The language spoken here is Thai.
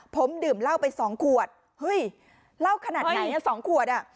ผมดื่มเล่าไปสองขวดเฮ้ยเล่าขนาดไหนเนี่ยสองขวดอ่ะ